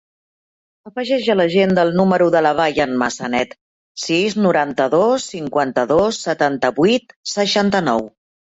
Afegeix a l'agenda el número de la Bayan Massanet: sis, noranta-dos, cinquanta-dos, setanta-vuit, seixanta-nou.